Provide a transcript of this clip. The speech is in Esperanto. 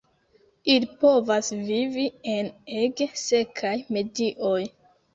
Ili povas vivi en ege sekaj medioj.